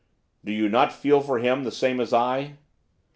'Do you not feel for him the same as I?